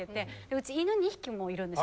うち犬２匹もいるんです。